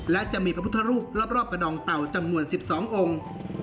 และจะมีพระพุทธรูปรอบกระดองเต่าจำนวน๑๒องค์